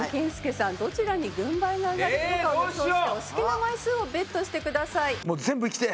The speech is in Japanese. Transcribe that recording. どちらに軍配が上がるのかを予想してお好きな枚数をＢＥＴしてください。